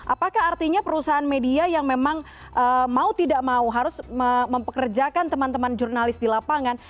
apakah artinya perusahaan media yang memang mau tidak mau harus mempekerjakan teman teman jurnalis di lapangan